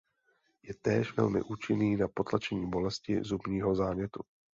Je též velmi účinný na potlačení bolesti zubního zánětu.